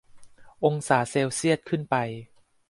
องศาเซลเซียสขึ้นไป